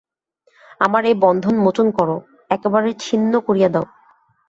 আমার এ বন্ধন মোচন করো, একেবারে ছিন্ন করিয়া দাও।